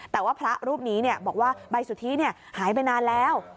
แต่ว่าพระรูปนี้บอกว่าใบสุทธิหายไปนานแล้ว